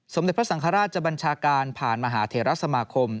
สมเด็จพระสังฆราชจะบัญชาการผ่านมหาเทรสมาคม